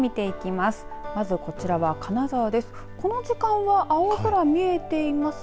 まず、こちらは金沢です。